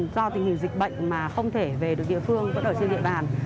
do tình hình dịch bệnh mà không thể về được địa phương vẫn ở trên địa bàn